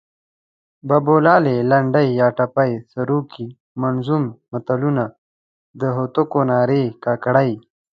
بابولالې، لنډۍ یا ټپې، سروکي، منظوم متلونه، د هوتکو نارې، کاکړۍ